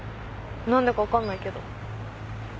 何でか分かんないけど。